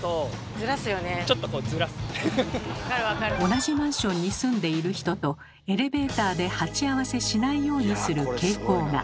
同じマンションに住んでいる人とエレベーターで鉢合わせしないようにする傾向が。